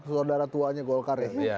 saudara tuanya golkar ya